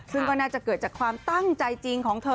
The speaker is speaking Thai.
ซึ่งก็น่าจะเกิดจากความตั้งใจจริงของเธอ